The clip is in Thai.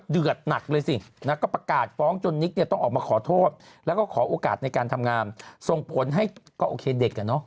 ทำงานทางการทำงานส่งผลให้ก็โอเคเด็กไงนะ